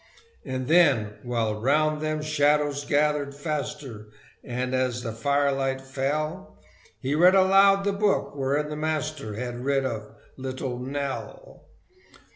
And then, while round them shadows gathered faster, And as the firelight fell, He read aloud the book wherein the Master Had writ of "Little Nell."